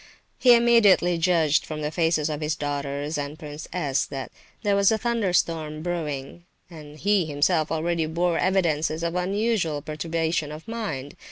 He immediately judged from the faces of his daughters and Prince S. that there was a thunderstorm brewing, and he himself already bore evidences of unusual perturbation of mind.